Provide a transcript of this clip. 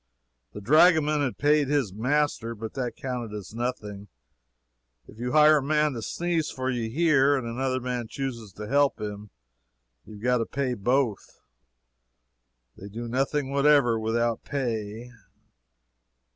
The dragoman had paid his master, but that counted as nothing if you hire a man to sneeze for you, here, and another man chooses to help him, you have got to pay both. They do nothing whatever without pay.